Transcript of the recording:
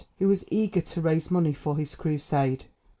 who was eager to raise money for his Crusade.